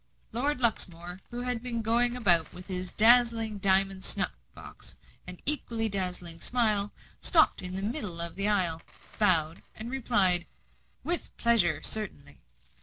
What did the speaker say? Lord Luxmore, who had been going about with his dazzling diamond snuff box and equally dazzling smile, stopped in the middle of the aisle, bowed, replied, "With pleasure certainly!"